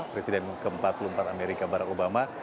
presiden ke empat puluh empat amerika barack obama